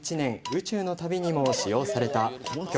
宇宙の旅』にも使用された曲の。